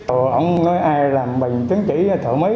ông nói ai làm bình chứng chỉ thợ mấy